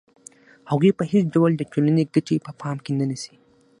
هغوی په هېڅ ډول د ټولنې ګټې په پام کې نه نیسي